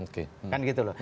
oke kan gitu loh